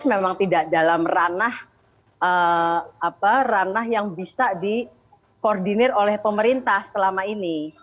memang tidak dalam ranah yang bisa dikoordinir oleh pemerintah selama ini